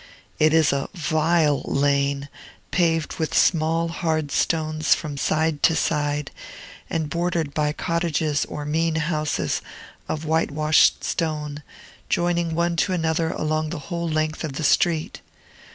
It is a vile lane, paved with small, hard stones from side to side, and bordered by cottages or mean houses of whitewashed stone, joining one to another along the whole length of the street.